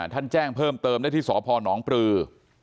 ท่านแจ้งเพิ่มเติมได้ที่สพนปลือ